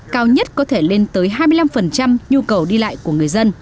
cao nhất có thể lên tới hai mươi năm nhu cầu đi lại của người dân